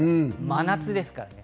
真夏ですからね。